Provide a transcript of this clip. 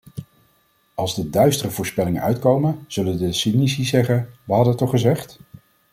Als de duistere voorspellingen uitkomen, zullen de cynici zeggen: we hadden het toch gezegd.